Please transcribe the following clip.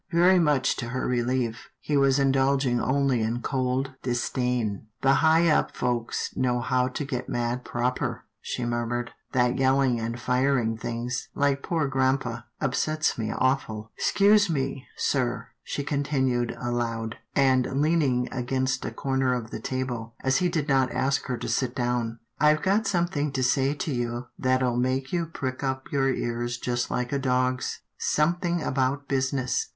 Very much to her relief, he was indulging only in cold disdain. " The high up folks know how to get mad proper," she murmured. " That yelling and firing things, like poor grampa, upsets me aw ful — 'Scuse me, sir," she continued aloud, and leaning against a corner of the table, as he did not ask her to sit down, " I've got something to say to you that'll make you prick up your ears just like a dog's — something about business."